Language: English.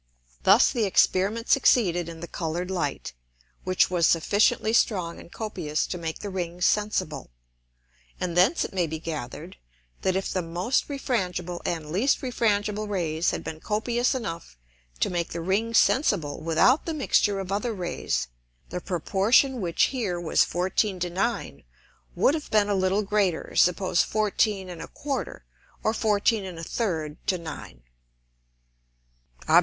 Thus the Experiment succeeded in the colour'd Light, which was sufficiently strong and copious to make the Rings sensible. And thence it may be gather'd, that if the most refrangible and least refrangible Rays had been copious enough to make the Rings sensible without the mixture of other Rays, the Proportion which here was 14 to 9 would have been a little greater, suppose 14 1/4 or 14 1/3 to 9. _Obs.